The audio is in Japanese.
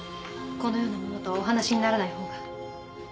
このような者とお話しにならない方が。